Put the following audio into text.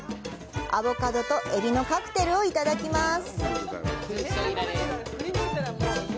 アボカドとエビのカクテルをいただきます。